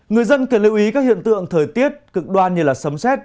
người dân cần lưu ý các hiện tượng thời tiết cực đoan như sấm xét